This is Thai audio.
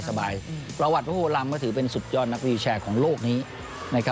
สบายประวัติโฮลัมป์ก็ถือเป็นสุดยอดนักวิวแชร์ของโลกนี้